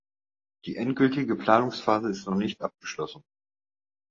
Die endgültige Planungsphase ist noch nicht abgeschlossen.